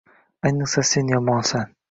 Ayniqsa sen yomonsan!